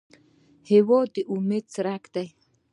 هېواد د امید څرک دی.